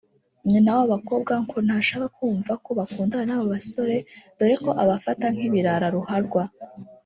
nyina w’aba bakobwa ngo ntashaka kumva ko bakundana n’aba basore dore ko abafata nk’ibirara ruharwa